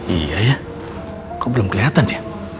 iya ya kok belum keliatan sih